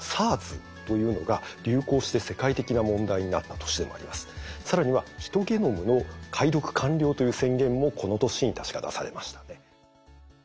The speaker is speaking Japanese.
２００３年というと例えばあとは更にはヒトゲノムの解読完了という宣言もこの年に確か出されましたね。